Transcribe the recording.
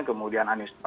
kemudian anies pasukun